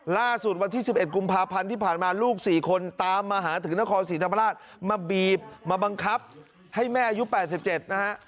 ล่าสุดวันที่๑๑กุมภาพันธ์ที่ผ่านมาลูก๔คนตามมาหาถึงนครศรีธรรมราชมาบีบมาบังคับให้แม่อายุ๘๗นะฮะ